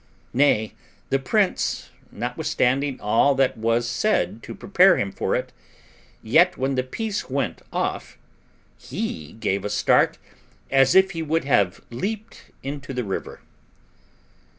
Nay, the prince, notwithstanding all that was said to prepare him for it, yet when the piece went off, he gave a start as if he would have leaped into the river.